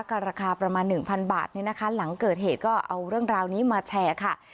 ราคาประมาณหนึ่งพันบาทเนี่ยนะคะหลังเกิดเหตุก็เอาเรื่องราวนี้มาแชร์ค่ะ